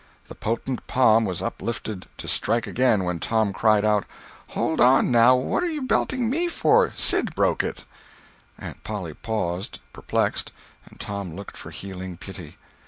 The potent palm was uplifted to strike again when Tom cried out: "Hold on, now, what 'er you belting me for?—Sid broke it!" Aunt Polly paused, perplexed, and Tom looked for healing pity.